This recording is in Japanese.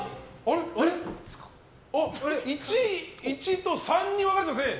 １と３に分かれていますね。